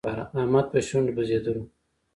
احمد په شونډو بزېدلو.